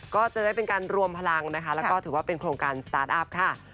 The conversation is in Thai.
ก็จะได้เป็นการรวมพลังนะคะแล้วก็ถือว่าเป็นโครงการสตาร์ทอัพค่ะ